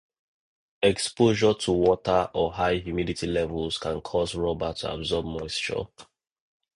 Exposure to water or high humidity levels can cause rubber to absorb moisture.